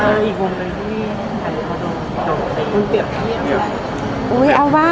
ใช่อีกมุมเลยที่ใครเขาต้องเกี่ยวข้างใน